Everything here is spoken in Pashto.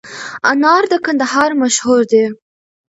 انار د کندهار مشهور دي